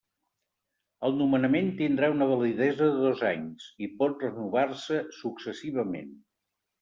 El nomenament tindrà una validesa de dos anys, i pot renovar-se successivament.